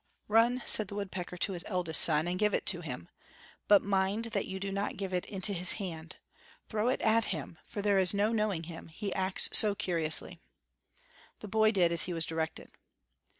"Run," said the woodpecker to his eldest son, "and give it to him; but mind that you do not give it into his hand; throw it at him, for there is no knowing him, he acts so curiously." The boy did as he was directed.